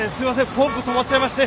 ポンプ止まっちゃいまして。